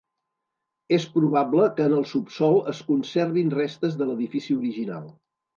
És probable que en el subsòl es conservin restes de l'edifici original.